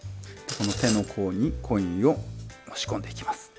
この手の甲にコインを押し込んでいきます。